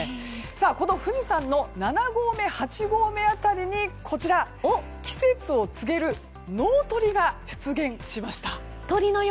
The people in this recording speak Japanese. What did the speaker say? この富士山の７合目、８号目辺りに季節を告げる農鳥が出現しました。